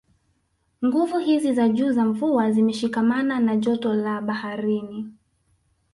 Nguvu hizi za juu za mvua zimeshikamana na joto la baharini